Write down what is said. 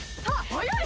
早い。